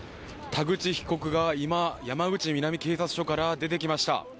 田口被告が今、山口南警察署から出てきました。